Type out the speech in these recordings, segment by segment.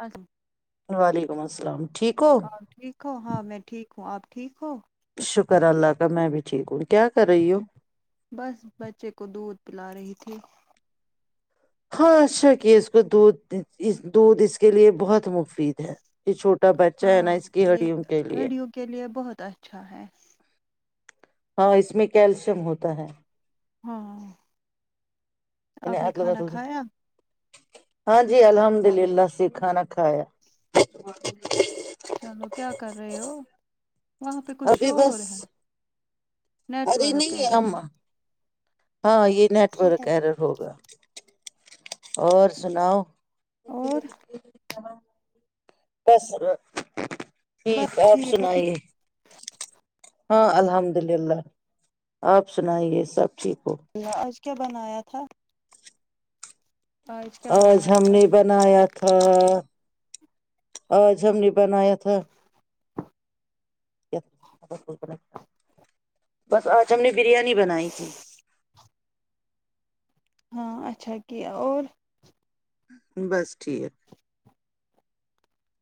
ا [unintelligible] [unintelligible] ہاں ٹھیک ہو ہاں میں ٹھیک ہوں آپ ٹھیک ہو شکر اللہ کا میں بھی ٹھیک ہوں کیا کر رہی ہوں بس بچے کو دودھ پلا رہی تھی ہاں اھا کہ اس کو دودھ دودھ اس کے لیے بہت مفید ہے یہ چھوٹا بچہ ہے ہاں نا اس کی یہ ہڈیوں کے لیے کڑیوں کے لیے بہت اچھا ہے ہاں اس میں کیلشیم ہوتا ہے ہاں [unintelligible] آپ نے کھانا کھایا ہاں جی الحمد للہ سے کھانا کھایا چلو کیا کر رہے ہو وہاں پہ کچھ شور ہے [unintelligible] نیٹ اری ورک نہیں آ ایرر [unintelligible] ہاں یہ نیٹورک ایرر ہوگا اور سناؤ [unintelligible] ب اور ب [unintelligible] بصر ٹھیک بس آپ ٹھیک ہے ٹھیک سنائیے ہاں الحمد للہ آپ سنائیے سب شیکو ہے۔ آج کیا بنایا تھا کیا آج بنایا ہم تھا نے بنایا تھا [unintelligible] آج ہم نے بنایا تھا بس آج ہم نے بریانی بنائی تھی ہاں اچھا کہ اور بس ٹھیک [unintelligible]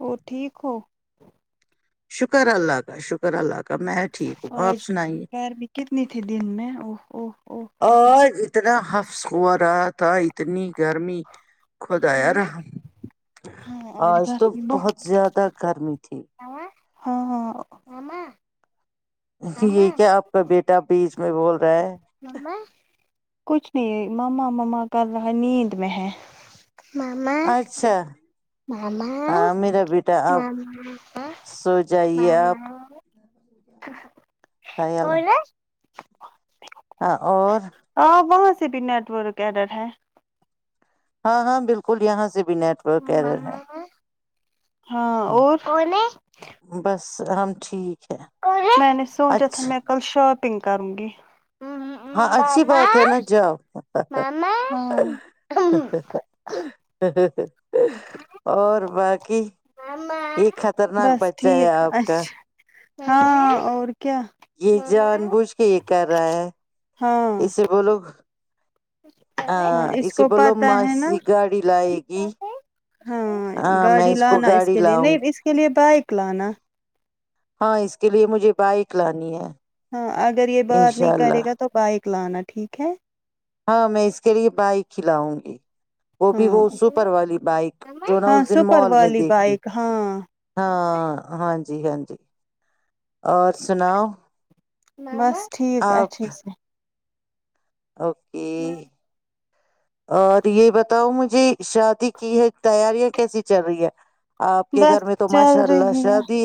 وہ ٹھیک ہو شکر اللہ کاا شکر اللہ کا میں ٹھیک ہوں آپ اورج سنائیے گیرمی کتنی تھی دن میں اوہ او او او آج اتنا حفظ ہوا رہا تھا اتنی گرمی خدا ہاں رحم آج تو بہت زیادہ گرمی تھی ہاں ہاں یہ کیا آپ کا بیٹا بیچ میں بول رہا ہے مم کچھ نہیں ماما ماما کر رہا نیند میں ہے ماما اچھا ہاں میرا بیٹا مما آپ مماپ سو جائیے مما آپ ہ خیال کون ہے رہا ہاں اور ہاں وہہت سے سے بھی نیٹورک ایڈر ہے ہاں ہاں بالکل یہاں سے بھی نیٹ ورک کہہ رہے ماما ہیں ہاں اور کون ٹھیب سب میں نے سوچا تھا میں کل شاپ ٹگ کروں گی ہاں اچھی ماما بات ہے نا جاؤ ماما اور باقی ی ماما یہ خطرناک بس بچہ ہے ٹھیک آپ کا اچھا ہاں اور کیا یہ ماما جان بوجھ کے یہ کر رہا ہے ہاں اسے بولو ہاں اس اسے کو بولو پتا ہے نا می گاڑی لائے گی ہاں میں گاڑی کو لانا اس گاڑی کے لیے لاؤں نہیں گی اس کے لیے بائک لانا ہاں اس کے لیے مجھے بائک لانی ہے ہاںے اگر یہ باہر انشاء نہیں کرے اللہ گ تو بائ کلانا ٹھیک ہے ہاں میں اس کے لیے بائک کھلاؤں گی وہ بھی ہاں وہ سپر والی بائک جو نا ہاں اس دن سپر مال میں والی دیکھ لی بائک ہاں ہاں ہاں ج جی ہاں جی اور سناؤ بس ٹھیک اچھا آپ اوکے اور یہ بتاؤ مجھے شادی کی ہے تیاریاں کیسی چل رہی ہے آپ کے بس گھر میں تو چل ماشاء اللہ رہی ہے شادی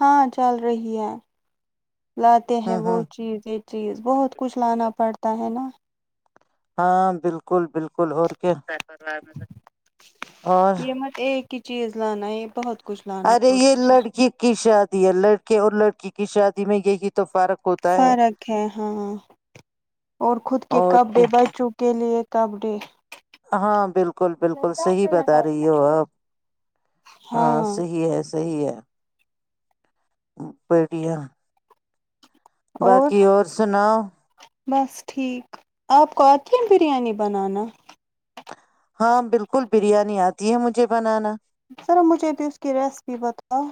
ہاں چل رہی ہے لاتے ہیں ہوں وہ ہوں چیزیں چیز بہت کچھ لانا پڑتا ہے نا ہاں بالکل بالکل ل اور کے اور کی چیز لان ارے یہ لڑکی کی شادی ہے لڑکے اور لڑکی کیس شادی میں یہ فرق ہے ہاںاں اور خود کے اور کپ بے کیا۔ بر چوپ کے لیے کپڈی ہاں بالکل بالکل صحیح بتا رہی ہو آپ ہاں صحیح ہے صحی ہے بیٹیاں باقی اور سناؤ بس ٹھیک آپ کو اور کیا بریانی بنانا ہاں بالکل بریانی آتی ہے مجھے بنانا سذرا مجھے تو اس کی ریسپی بتاؤ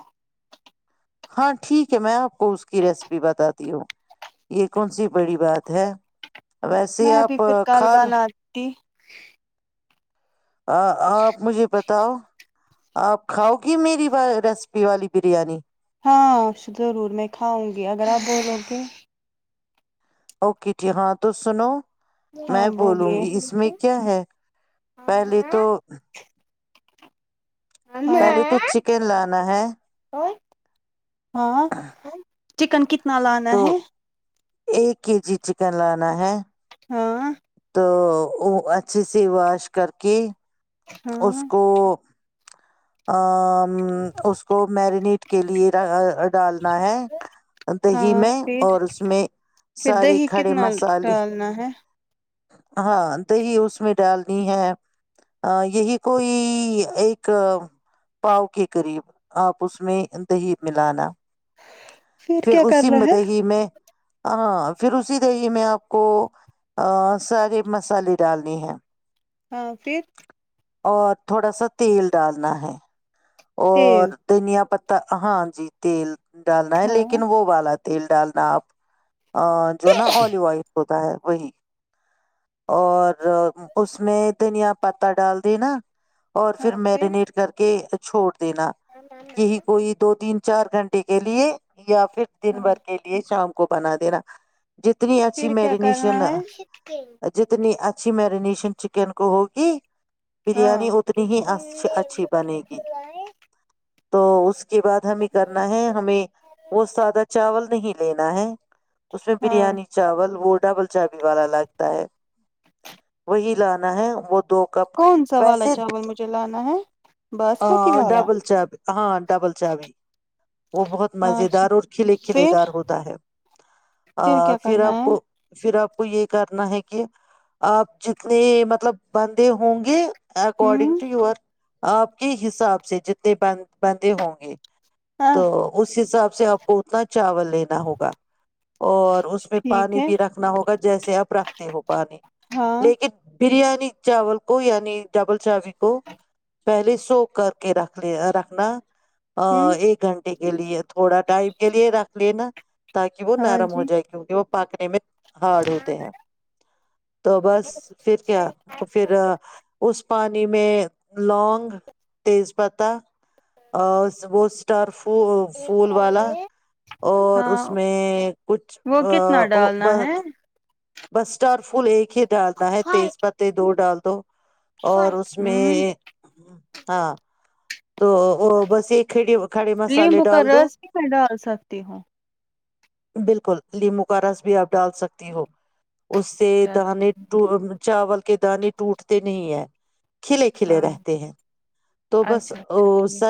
ہاں ٹھیک ہے میں آپ کو اس کی ریسیپی بتاتی ہوں یہ کون سی بڑی بات ہے ویسے میں ابھی آپ پھر کھال کالبان آتی آ آپ مجھے بتاؤ آپ کھاؤ گی میری ریسیپی والی بریانی ہاں ضرور میں کھاؤں گی اگر آپ بولو گے اوکے جی ہاں توس سنو میں ہاں بولوں بولیے گی اس میں کیا ہے پہلے تو پہلے تو چکن لانا ہے ہاں چکن کنا ل آا تو ہے ایک کے جی چکن لانا ہے ہاں تو وہ اچھے سے واش کر کے اس ہاں کو آ ا اس کو میرینیٹ کے لیے ڈالنا ہے دہی ہاں میں پھر اور اس میں پھر سارے دہی کھڑے کتنا مسالے ڈالنا ہے ہاں دہی اس میں ڈالنی ہے یہی کوئی ایک پاؤ کے قریب آپ اس میں دہی ملانا پھر کیا کر اسی رہا ہے مدہی میں ہاں پھر اسی دیہی میں آپ کو سارے مسالے ڈالنی ہے ہاں پھر اور تھوڑا سا تیل ڈالنا ہے اور تیل دنیا پتی ت ہاں جی تیل ڈالنا ہے ہاں لیکن وہ بالا تیل ڈالنا آپ جو نا آلیو آائف ہوتی ہوتا وہی اور اس میں دھنیا پتا ڈال دی نا اور پھر میرینیٹ کر کے چھوٹ دینا یہی کوئی دو تین چار گھنٹے کے لیے یا پھر دن ہاں بھر کے لیے شام کو بنا دینا جتنی اچھی پھر کیا مرینیشن کرنا ہے جتنی ا اچھی مرینیشن چکن کو ہوگی بریانی ہاں اتنی ہی اچھی بنے گی تو اس کے بعد ہمیں کرنا ہے ہمیں وہت سادہ چاول نہیں لینا ہے اس میں ہاں بریانی چاول وہ ڈبل چابی والا لگتا ہے ہی لانا ہے وہ تو کون سا والا چاول مجھے لانا ہے باسمتی والا ڈبل چای ہاں ڈبل چاابی وہ بہت مز ہاں دار اور کھلے کھلے پھر دار ہوتا ہے کیا پھر کرنا آپ ہے کو پھر آپ کو یہ کرنا ہے کہ آپ جتنے مطلب بندے ہوں گے اکارڈنگ ہوں ٹو یور آپ کے حساب سے جتنے ب بندے ہوں گے ہاں تو اس حساب سے آپ کو اتنا چاول لینا ہوگا اور اس میں ٹھیک پانی ہے بھی رکھنا ہوگا جیسے آپ رکھتے ہو پانی ہاں لیکن بریانی چاول کو یعنی ڈبل چاوی کو پہلے سو کر کے رکھ ل رکھنا ا ہوں ایک گھنٹے کے لیے تھوڑا ٹائم کے لیے رکھ لیے نا تاکہ وہ ہاں نرم ہو جی جائے کیونکہ وہ پاکنے میں ہارڈ ہوتے ہیں تو بس پھر کیا پھر اس پانی میں لونگ تیز پتہ وہٹرف پ پھول والا اور ہاں اس میں کچھ وہ کتنا ڈالنا ہے بسٹار فل ایک ڈالنا ہے تیز پتے دو ڈال دو اور اس ہوں میں ہاں تو بس یہ کڈی ر مقرس ہی میں ڈال سکتی ہو بالکل لیمو کا رس بھی آپ ڈال سکتی ہو اس سے چلو دانے ٹھیک چاول کہ دانیے ٹوٹتے نہیں ہے کھلے کھلے ہاں رہتے ہیں تو بس اچھا اچھا ٹھیک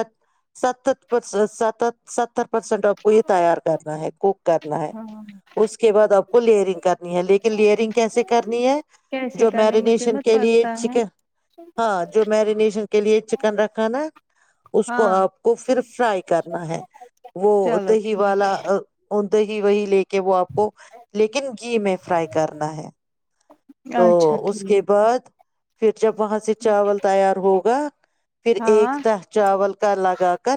س س [unintelligible] سرسینٹ آپ کو یہ تیار کرنا ہے کوک کرنا ہے ہاں اس کے بعد آ کو لیئرنگ کرنی ہے لیکن لیئرنگ کیسے کر نی ہے کیسے جو کرنے مجھے میرینیشن مت کے لیے پتا ہے چکن ہاں جو میرینیشن کے لیے چکن رکھ نا اس کو ہاں آپ کو پھر فرائی کرنا ہے وہ چلو دہی ٹھیک والا ی وہی لے کے [unintelligible] کہ وہ آپ کو لیکن گھی میں فرائی کرنا ہے تو اچھا اس کے ٹھیک بعد پھر جب وہاں سے چاول تیار ہوگا پھر ایک ہاں تھا چاول کا لگا کر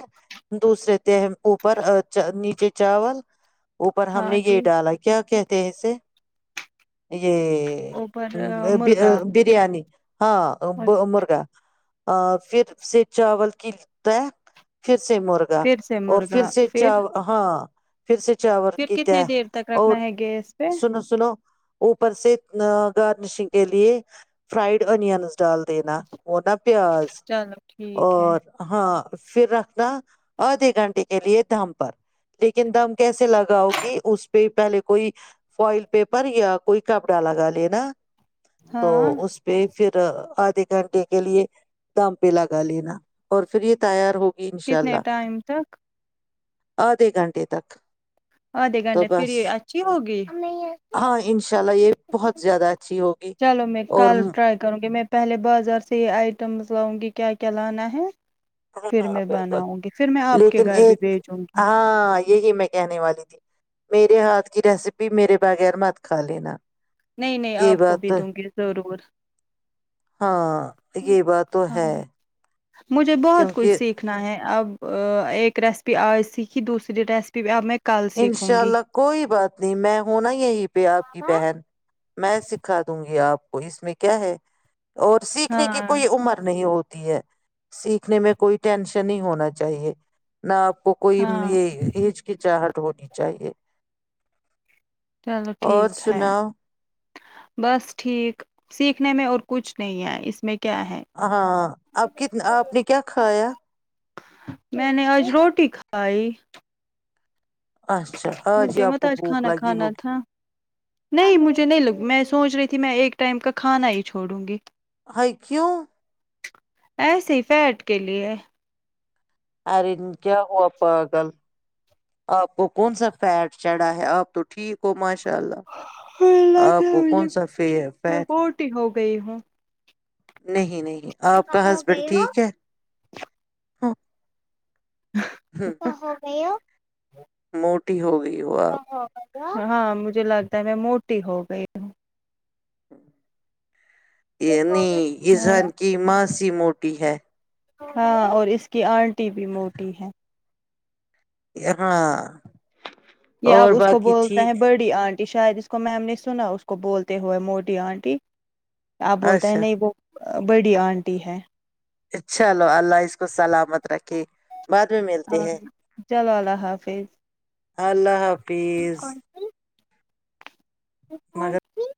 دوسرے ت اوپر نیچے چاول اوپر ہم نے ہاں یہ جی ڈالا کیا کہ [unintelligible] سے یہ [unintelligible] اوپر میں مرغا بریانی ہاں اور مرغا سے چاول کی سے مرغا پھر سے اور پھر مرغا سے ہاں پھر سے پھر چاورتا کتنے دیر تک اور رکھنا ہے گیس پہ سنو سنو اوپر سے ا گارنشنگ کے لیے فرائڈ انس ڈال دینا اونا پیاز چلو ٹھیک ہے اور ہاں پھر رکھنا آدھے گھنٹے کے لیے دم پر لیکن دم کیسے لگاؤ گی اس پہ پہلے کوئی فوائل پیپر یا کوئی کپڑا لگا لینا تو ہاں اس پہ پھر آدھے گھنٹے کے لیے دم پہ لگا لینا اور پھر یہ تیار ہو کتنے ٹائم تک آدھے گھنٹے تک آدھے تو گھنٹے پھر بس یہ اچھی ہوگی ہاں انشاء اللہ یہ بہت زیادہ اچھا چلو میں کل ٹرائی کروں گی میں پہلے بازار سے یہ آئٹمز لاؤں گی کیا کیا لانا ہے پھر ہاں میں بالکل بناؤں گی پھر میں آپ کے لیکن گھر بھی ایک بھیجوں گی ہاں یہی میں کہنے والی تھی میرے ہاتھ کی ریسیپی میرے بغیر مت کھا لین نہیں نہیں آپ کو بھی دوں گی ضرور ہاں یہ بات تو ہاں ہے مجھے بہت کیونکہ کچھ سیکھنا ہے اب ایک ریسیپی آج سیکھی دوسری ریسیپی بھی اب میں کل سیکھوں انشاء گی اللہ کوئی بات نہیں میں ہوںنا یہیں پہ آپ کی بہن میں سکھا دوں گی آپ کو اس میں کیا ہے اور سیکھنے کی ہاں کوئی عمر نہیں ہوتی سیکھنے میں کوئی ٹینشن نہیں ہونا چاہیے نہ آ کو کوئی ہاں یہ ایچ کیچاہ وہ نیچاہ یہ چلو ٹھیک ہے بس ٹھیک سیکھنے میں اور کچھ نہیں ہے اس میں کیا ہے ہاں آپ کتنا آپ نے کیا کھایا میں نے اج روٹی کھ بائے اچھا ہی مجھے آپ مت کو آج بھوک کھانا لگی کھانا ہوگی تھا نہیں مجھے نہیں لگ میں سوچ رہی تھی ت میں ایک ٹائم کا کھانا ہی چھوڑوں گی آکوں ایسے فیٹ کے لیئے ارے کیا ہوا پاگل آپ کو کون سا فیٹ چڑھا ہے آپ تو ٹھیک ہو ماشر ملا سا فی- میں فیٹ بوٹی ہو گئی ہوں نہیں نہیں اپ کا ہو ہسبینڈ گئی ہو ٹھیک ہے ھم ا گیا موٹی ہو گئی ہو تو اپ گئی ہاں مجھے لگتا ہے میں موٹی ہو گئی ہوں [inaudible] یہ ہو یعنی گئی ہاں انسان کی جی موٹی ہے ہاں اور اس کی انٹی بھی موٹی ہے ہاں کہ اپ اور اس کو باقی بولتے ہیں ٹھیک بڑی ان یہ شاید اس کو میں ہم نے سنا اس کو بولتے ہوئے موٹی انٹی اپ بولتے ہیں اچھا نہیں وہ بڈی انٹی ہے اچھا لو اللہ اس کو سلامت رکھے بعد میں ملتے ہیں چلو اللہ حافظ اللہ حافظ تیز کون سی مگر